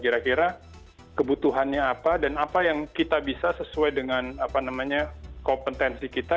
kira kira kebutuhannya apa dan apa yang kita bisa sesuai dengan kompetensi kita